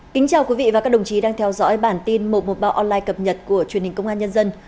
kính chào quý vị và các đồng chí đang theo dõi bản tin một trăm một mươi ba online cập nhật của truyền hình công an nhân dân